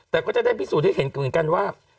แต่ก็จะได้พิสูจน์ให้เห็นเหมือนกันว่า